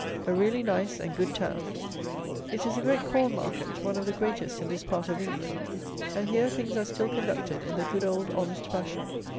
A really nice and good town. It is a great corn market: one of the greatest in this part of England; and here things are still conducted in the good, old, honest fashion.